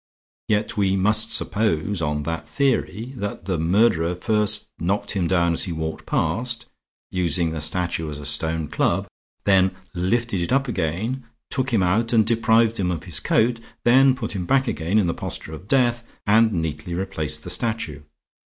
Yet we must suppose, on that theory, that the murderer first knocked him down as he walked past, using the statue as a stone club, then lifted it up again, took him out and deprived him of his coat, then put him back again in the posture of death and neatly replaced the statue.